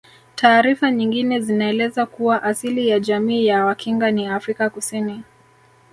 Taarifa nyingine zinaeleza kuwa asili ya jamii ya Wakinga ni Afrika Kusini